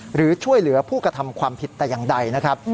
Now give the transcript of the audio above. หรือช่วยเหลือผู้กระทำความผิดแต่อย่างใดนะครับ